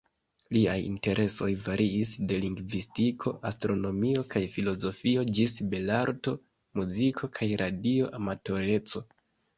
Liaj interesoj variis de lingvistiko, astronomio kaj filozofio ĝis belarto, muziko kaj radio-amatoreco.